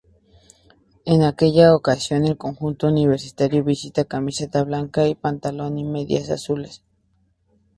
En aquella ocasión, el conjunto universitario vistió camiseta blanca y pantalón y medias azules.